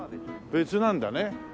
別なんだね。